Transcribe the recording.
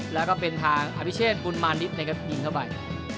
แล้วก็เป็นทางอภิเชษบุญมานิดนะครับยิงเข้าไป